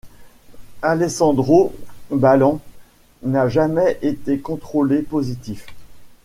Alessandro Ballan n'a jamais été contrôlé positif.